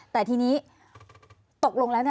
แต่ทีนี้ตกลงแล้ว